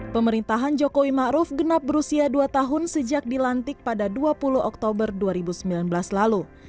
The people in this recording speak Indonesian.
pemerintahan jokowi ⁇ maruf ⁇ genap berusia dua tahun sejak dilantik pada dua puluh oktober dua ribu sembilan belas lalu